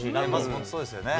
本当、そうですよね。